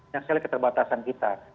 yang salah keterbatasan kita